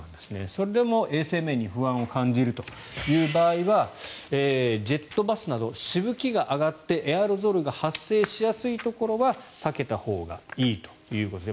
それでも衛生面に不安を感じるという場合はジェットバスなどしぶきが上がってエアロゾルが発生しやすいところは避けたほうがいいということです。